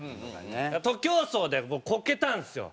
徒競走で僕こけたんですよ。